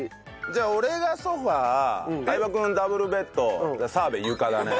じゃあ俺がソファ相葉君ダブルベッド澤部床だね。